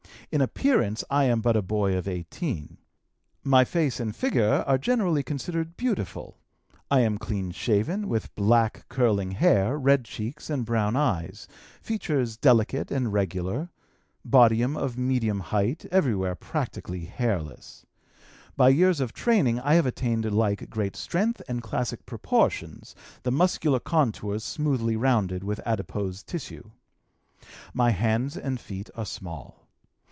In appearance I am but a boy of 18. My face and figure are generally considered beautiful: I am clean shaved, with black, curling hair, red cheeks and brown eyes; features delicate and regular; body, of medium height, everywhere practically hairless. By years of training I have attained alike great strength and classic proportions, the muscular contours smoothly rounded with adipose tissue. My hands and feet are small.